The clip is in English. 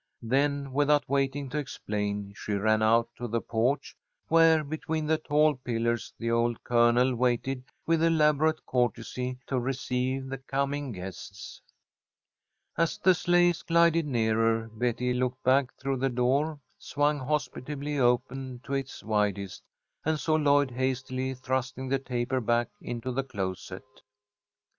Then, without waiting to explain, she ran out to the porch, where, between the tall pillars, the old Colonel waited with elaborate courtesy to receive the coming guests. As the sleighs glided nearer, Betty looked back through the door swung hospitably open to its widest, and saw Lloyd hastily thrusting the taper back into the closet.